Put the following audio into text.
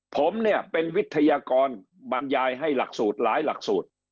ผมเนี่ยเป็นวิทยากรบรรยายให้หลักสูตรหลายหลักสูตร